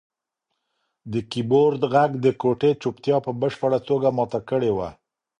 د کیبورډ غږ د کوټې چوپتیا په بشپړه توګه ماته کړې وه.